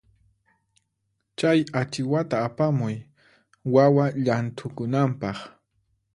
Chay achiwata apamuy wawa llanthukunanpaq.